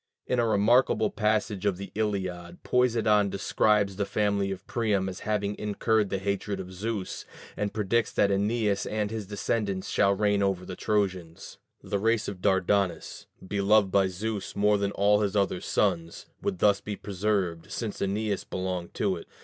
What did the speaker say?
In a remarkable passage of the Iliad, Poseidon describes the family of Priam as having incurred the hatred of Zeus, and predicts that Æneas and his descendants shall reign over the Trojans: the race of Dardanus, beloved by Zeus more than all his other sons, would thus be preserved, since Æneas belonged to it.